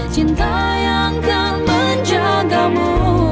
cinta yang akan menjagamu